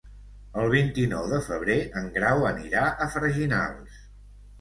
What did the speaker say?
El vint-i-nou de febrer en Grau anirà a Freginals.